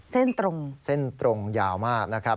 เส้นตรงเส้นตรงยาวมากนะครับ